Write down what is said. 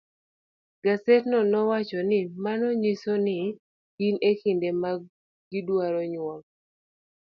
Gasedno nowacho ni mano nyiso ni gin e kinde ma gidwaro nyuol.